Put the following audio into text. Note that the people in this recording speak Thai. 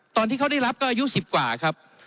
ตอนที่เขาได้รับก็อายุ๑๐กว่าครับ